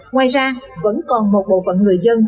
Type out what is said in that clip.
ngoài ra vẫn còn một bộ phận người dân